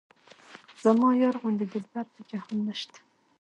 زما یار غوندې دلبر په جهان نشته.